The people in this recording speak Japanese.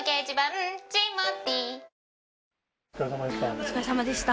お疲れさまでした。